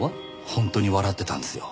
本当に笑ってたんですよ。